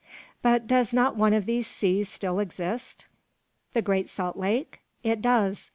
"But does not one of these seas still exist?" "The Great Salt Lake? It does.